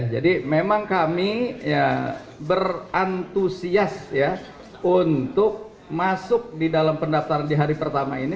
jadi memang kami berantusias untuk masuk di dalam pendaftaran di hari pertama ini